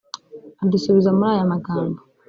adusubiza muri aya magambo